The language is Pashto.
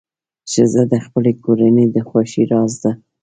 ښځه د خپلې کورنۍ د خوښۍ راز ده.